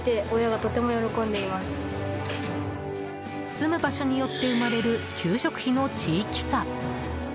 住む場所によって生まれる給食費の地域差。